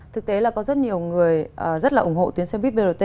thực tế là có rất nhiều người rất là ủng hộ tuyến xe buýt brt